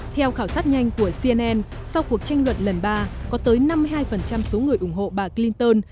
theo khảo sát nhanh của cnn sau cuộc tranh luận lần ba có tới năm mươi hai số người ủng hộ bà clinton